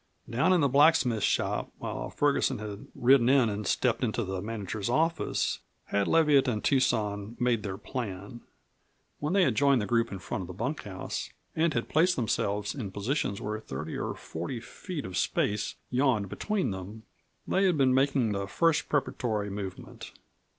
Down in the blacksmith shop, while Ferguson had ridden in and stepped into the manager's office, had Leviatt and Tucson made their plan. When they had joined the group in front of the bunkhouse and had placed themselves in positions where thirty or forty feet of space yawned between them, they had been making the first preparatory movement.